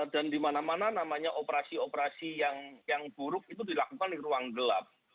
dan di mana mana namanya operasi operasi yang buruk itu dilakukan di ruang gelap